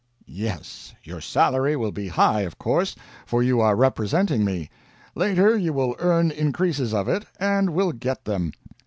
"Yes. Your salary will be high of course for you are representing me. Later you will earn increases of it, and will get them.